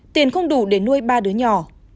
tiền không đủ để nuôi ba đứa nhỏ